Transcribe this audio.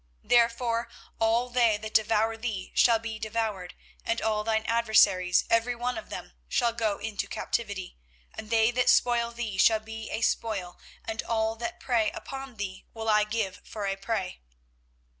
24:030:016 Therefore all they that devour thee shall be devoured; and all thine adversaries, every one of them, shall go into captivity; and they that spoil thee shall be a spoil, and all that prey upon thee will I give for a prey.